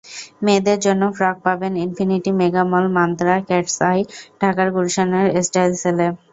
মেয়েদের জন্য ফ্রক পাবেন Infinity Mega Mall, Mantra, Cat's Eye, ঢাকার গুলশানের স্টাইলসেলে।